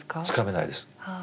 つかめないです。